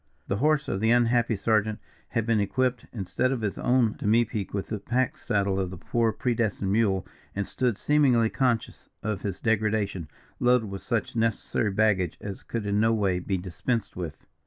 The horse of the unhappy sergeant had been equipped, instead of his own demipique, with the pack saddle of the poor predestined mule, and stood, seemingly conscious of his degradation, loaded with such necessary baggage as could in no way be dispensed with.